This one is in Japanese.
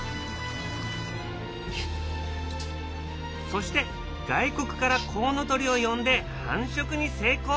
そして外国からコウノトリを呼んで繁殖に成功。